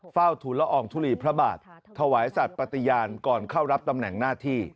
เฝ้าทุนละอองทุลีพระบาทถวายสัตว์ปฏิญาณก่อนเข้ารับตำแหน่งหน้าที่